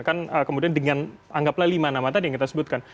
kan kemudian dengan anggaplah lima nama tadi yang kita sebutkan